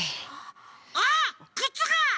あっくつが！